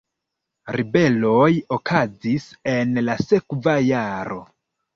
Ribeloj okazis en la sekva jaro.